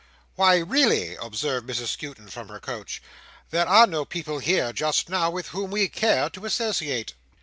"Why really," observed Mrs Skewton from her couch, "there are no people here just now with whom we care to associate."